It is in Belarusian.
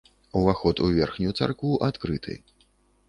Уваход у верхнюю царкву адкрыты.